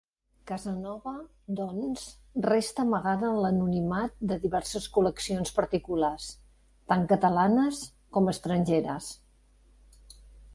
Casanova doncs resta amagada en l'anonimat de diverses col·leccions particulars, tant catalanes com estrangeres.